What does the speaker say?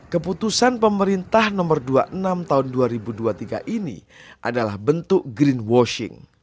keputusan pemerintah nomor dua puluh enam tahun dua ribu dua puluh tiga ini adalah bentuk green washing